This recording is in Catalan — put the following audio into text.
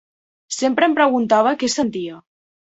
Sempre em preguntava què se sentia.